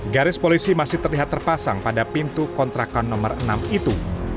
garis polisi masih terlihat terpasang pada pintu kontrakan nomor enam itu